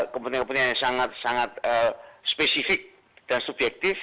kepentingan kepentingan yang sangat sangat spesifik dan subjektif